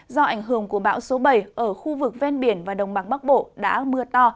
do ảnh hưởng của bão số bảy ở khu vực ven biển và đồng bằng bắc bộ đã mưa to